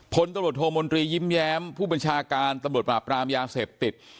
พลตำรวจโทมนตรียิ้มแย้มผู้บัญชาการตำรวจปราบรามยาเสพติด